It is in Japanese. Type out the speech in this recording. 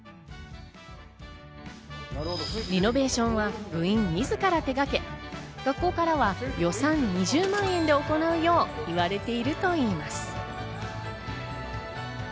リノベーションは部員自ら手がけ、学校からは予算２０万円で行うよう言われているといいます。